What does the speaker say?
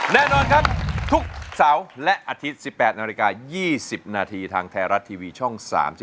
แน่นอนครับทุกเสาร์และอาทิตย์๑๘นาฬิกา๒๐นาทีทางไทยรัฐทีวีช่อง๓๒